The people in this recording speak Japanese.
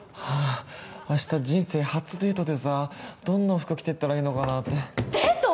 明日人生初デートでさどんな服着てったらいいのかなってデート！？